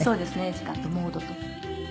時間とモードと。